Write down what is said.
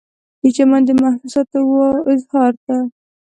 د چمن د محسوساتو و اظهار ته